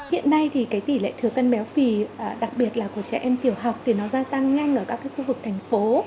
hiện nay thì tỷ lệ thừa cân béo phì đặc biệt là của trẻ em tiểu học thì nó gia tăng nhanh ở các khu vực thành phố